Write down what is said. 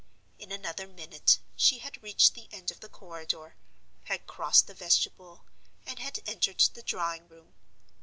In another minute, she had reached the end of the corridor, had crossed the vestibule, and had entered the drawing room.